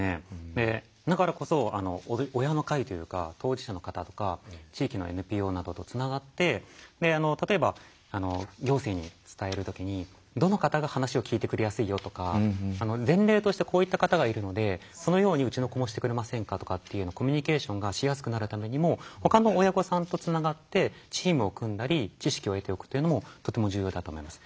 だからこそ親の会というか当事者の方とか地域のＮＰＯなどとつながって例えば行政に伝える時にどの方が話を聞いてくれやすいよとか前例としてこういった方がいるのでそのようにうちの子もしてくれませんかとかっていうコミュニケーションがしやすくなるためにもほかの親御さんとつながってチームを組んだり知識を得ておくというのもとても重要だと思います。